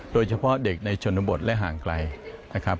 โดยเฉพาะเด็กในชนบทและห่างไกลนะครับ